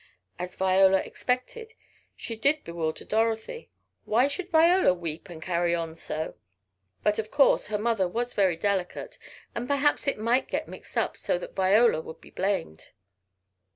As Viola expected, she did bewilder Dorothy. Why should Viola weep and carry on so? But of course her mother was very delicate and perhaps it might get mixed up so that Viola would be blamed!